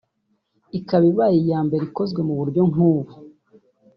Ikaba ibaye iya mbere ikozwe mu buryo nk’ubu